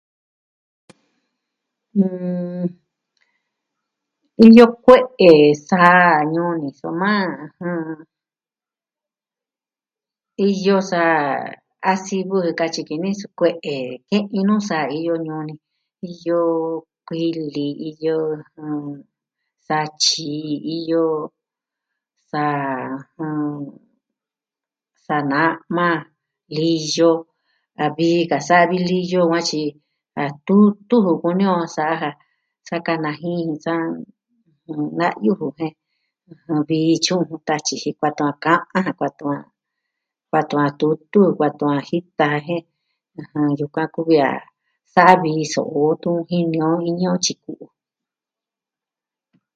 M.. iyo kue'e saa ñuu ni soma, iyo saa, a sivɨ katyi ki ni kue'e ke'in nuu saa iyo ñuu ni. Iyo kuili, iyo... saa tyii, iyo sa...saa na'ma, liyo, a vii ka saa vi liyo yukuan tyi, a tutu ju kuni o sa'a ja sa kanaji, san.... na'yu ju jen, vii tyu'un jun tatyi ji ka'an ja kuaa to a kuaa tu'un a tutu, kuaa tu'un a jita jen... Yukuan kuvi a saa vii so'o tun jini o iñɨ tyiji ku'u.